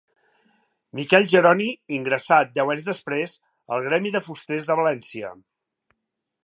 Miquel Jeroni ingressà, deu anys després, al gremi de fusters de València.